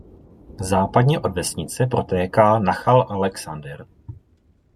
Západně od vesnice protéká Nachal Alexander.